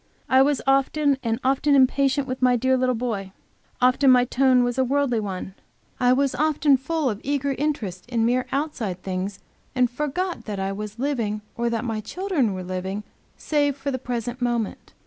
I was often and often impatient with my dear little boy; often my tone was a worldly one; I often full of eager interest in mere outside things, and forgot that I was living or that my children were living save for the present moment.